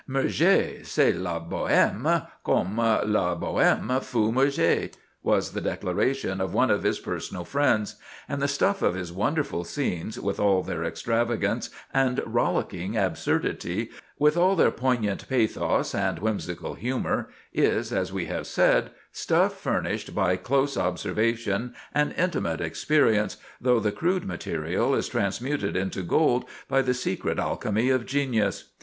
"Murger, c'est la Bohème, comme la Bohème fut Murger," was the declaration of one of his personal friends; and the stuff of his wonderful scenes, with all their extravagance and rollicking absurdity, with all their poignant pathos and whimsical humor, is, as we have said, stuff furnished by close observation and intimate experience, though the crude material is transmuted into gold by the secret alchemy of genius.